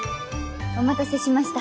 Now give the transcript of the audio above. お待たせしました。